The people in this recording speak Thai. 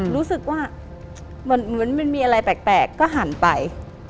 รู้สึกว่าเหมือนมันมีอะไรแปลกก็หันไป